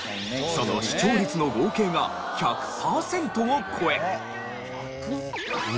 その視聴率の合計が１００パーセントを超え。